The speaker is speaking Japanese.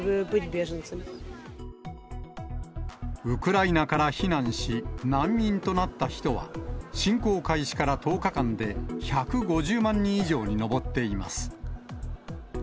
ウクライナから避難し、難民となった人は、侵攻開始から１０日間で１５０万人以上に上っています。